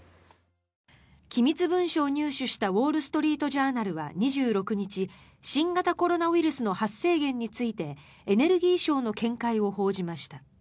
機密文書を入手したウォール・ストリート・ジャーナルは２６日新型コロナウイルスの発生源についてエネルギー省の見解を報じました。